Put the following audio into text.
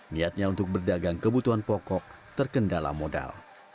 niatnya untuk berdagang kebutuhan pokok terkendala modal